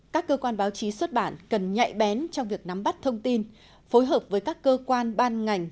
các cơ quan báo chí xuất bản cần nhạy bén trong việc nắm bắt thông tin phối hợp với các cơ quan ban ngành